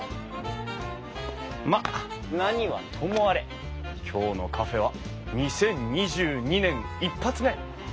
まっ何はともあれ今日のカフェは２０２２年一発目！